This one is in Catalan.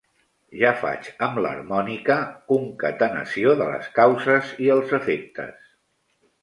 Ja faig amb l'harmònica concatenació de les causes i els efectes.